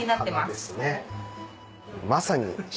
鼻ですね。